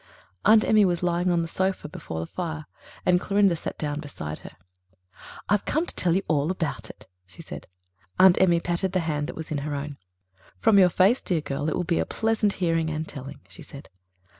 Aunt Emmy was lying on the sofa before the fire, and Clorinda sat down beside her. "I've come to tell you all about it," she said. Aunt Emmy patted the hand that was in her own. "From your face, dear girl, it will be pleasant hearing and telling," she said.